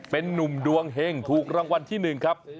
เป็นนุ่มดวงเห็งถูกรางวัลที่๑ครับ